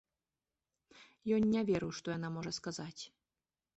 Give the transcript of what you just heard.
Ён не верыў, што яна можа сказаць.